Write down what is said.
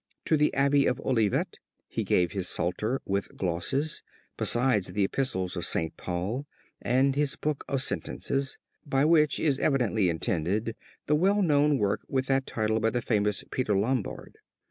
To the Abbey of Olivet he gave his Psalter with Glosses, besides the Epistles of St. Paul and his Book of Sentences, by which is evidently intended the well known work with that title by the famous Peter Lombard.